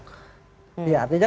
ya artinya itu yang kemudian